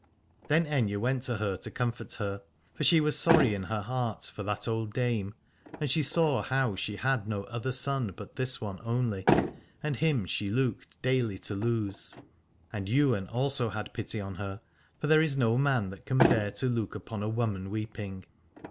Then Aithne went to her to comfort her, for she was sorry in her heart for that old dame, and she saw how she had no other son but this one only, and him she looked daily to lose. And Ywain also had pity on her, for there is no man that can bear to look upon a woman weeping.